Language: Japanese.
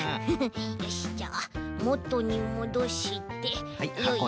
よしじゃあもとにもどしてよいしょっと。